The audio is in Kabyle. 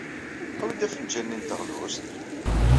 Awi-d afenǧal-nni n teɣlust?